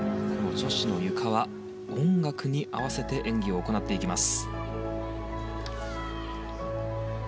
女子のゆかは音楽に合わせて演技を行っていきます。